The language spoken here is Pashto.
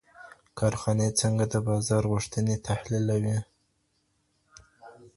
کارخانې څنګه د بازار غوښتنې تحلیلوي؟